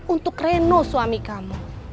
untuk reno suami kamu